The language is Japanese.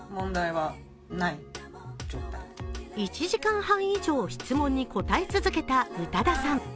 １時間半以上、質問に答え続けた宇多田さん。